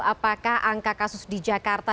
apakah angka kasus di jakarta